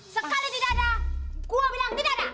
sekali tidak ada gua bilang tidak ada